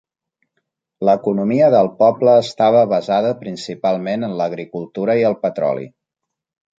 L'economia del poble estava basada principalment en l'agricultura i el petroli.